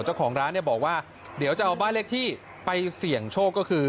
เจ้าของร้านเนี่ยบอกว่าเดี๋ยวจะเอาบ้านเลขที่ไปเสี่ยงโชคก็คือ